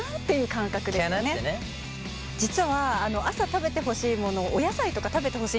実は朝食べてほしいものお野菜とか食べてほしいんですね。